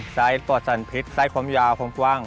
ไซส์ปลอดศัลพิษไซส์ความยาความกว้าง